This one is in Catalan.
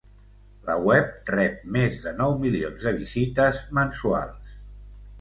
La web rep més de nou milions de visites mensuals.